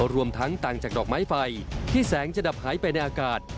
รวมทั้งต่างจากดอกไม้ไฟที่แสงจะดับหายไปในอากาศ